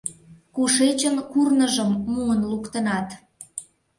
Кушечын курныжым муын луктынат?